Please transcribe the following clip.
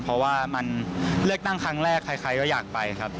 เพราะว่ามันเลือกตั้งครั้งแรกใครก็อยากไปครับ